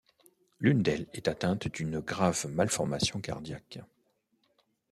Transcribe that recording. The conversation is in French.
L'une d'elles est atteinte d'une grave malformation cardiaque…